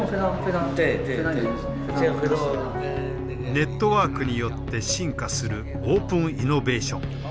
ネットワークによって進化するオープンイノベーション。